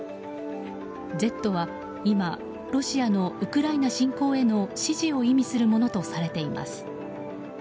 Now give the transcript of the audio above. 「Ｚ」は今、ロシアのウクライナ侵攻への支持を意味するものとされています。